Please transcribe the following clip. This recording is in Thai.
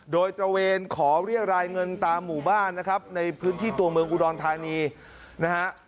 โดยตระเวนขอเรียกรายเงินตามหมู่บ้านนะครับในพื้นที่ตัวเมืองอุดรธานีนะฮะ